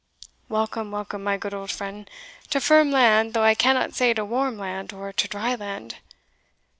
Welcome, welcome, my good old friend, to firm land, though I cannot say to warm land or to dry land.